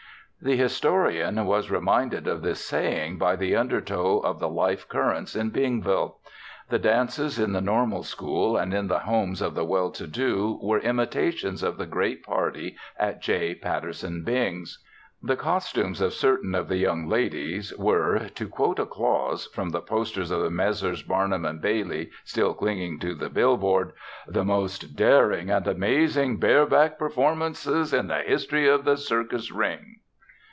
The historian was reminded of this saying by the undertow of the life currents in Bingville. The dances in the Normal School and in the homes of the well to do were imitations of the great party at J. Patterson Bing's. The costumes of certain of the young ladies were, to quote a clause from the posters of the Messrs. Barnum and Bailey, still clinging to the bill board: "the most daring and amazing bareback performances in the history of the circus ring."